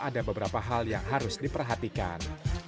ada beberapa hal yang harus diperhatikan